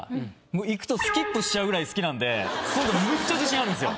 もう行くとスキップしちゃうぐらい好きなんで今回むっちゃ自信あるんですよ。